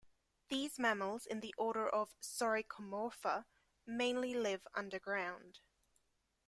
These mammals in the order Soricomorpha mainly live under ground.